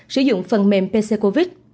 sử dụng phần mềm pccovid